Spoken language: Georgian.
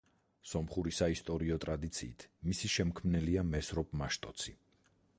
სომხური საისტორიო ტრადიციით მისი შემქმნელია მესროპ მაშტოცი.